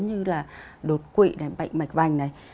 như là đột quỵ bệnh mạch vành này